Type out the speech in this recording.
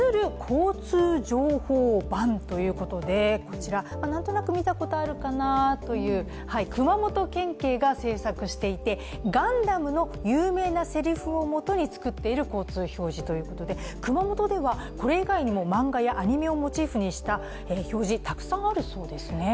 こちら、なんとなく見たことあるかなという、熊本県警が製作していてガンダムの有名なせりふともとに作っている交通表示ということで熊本ではこれ以外にも漫画やアニメをモチーフにした表示、たくさんあるそうですね。